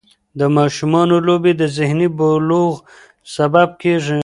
د ماشومانو لوبې د ذهني بلوغت سبب کېږي.